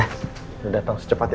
sudah datang secepatnya